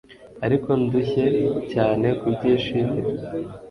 Ariko ndushye cyane kubyishimira